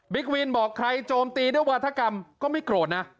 วินบอกใครโจมตีด้วยวาธกรรมก็ไม่โกรธนะ